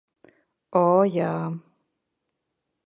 O, jā.